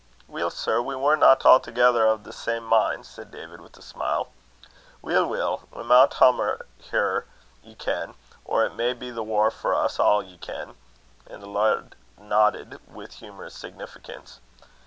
"Weel, sir, we warna a'thegither o' ae min'," said David, with a smile. "Weel, weel, we maun humour her, ye ken, or it may be the waur for us a', ye ken." And the laird nodded with humorous significance.